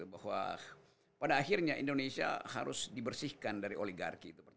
bahwa pada akhirnya indonesia harus dibersihkan dari oligarki itu